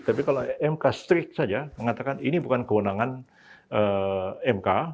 tapi kalau mk strict saja mengatakan ini bukan kewenangan mk